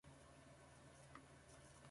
ことに肥ったお方や若いお方は、大歓迎いたします